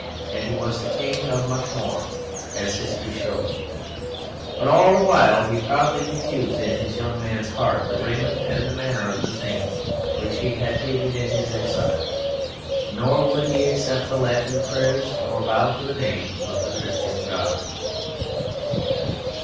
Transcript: And he was king of much more, as history shows, but all the while he proudly refused in his young man's heart the raiment and the manner of the thing which he had hated in his exile, nor would he accept the Latin prayers, nor bow to the name of the Christian God.